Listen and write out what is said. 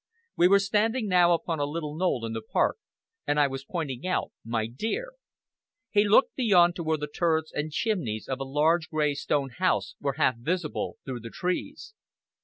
We were standing now upon a little knoll in the park, and I was pointing out my deer. He looked beyond to where the turrets and chimneys of a large, grey, stone house were half visible through the trees.